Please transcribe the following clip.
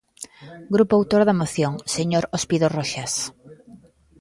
Grupo autor da moción, señor Ospido Roxas.